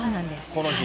この日。